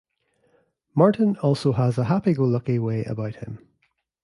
Martin also has a happy-go-lucky way about him.